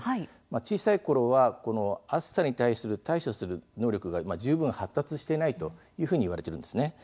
小さいころは暑さに対し対処する能力が十分発達していないといわれています。